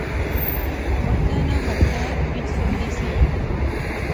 اۃناں نے ہتھا اچ سوٹی اسی